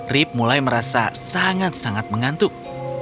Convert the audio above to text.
rip mulai merasa sangat sangat mengantuk